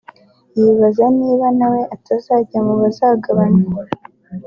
yibaza niba nawe atazajya mubazagabanywa